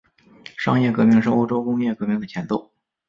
商业革命是欧洲工业革命的前奏。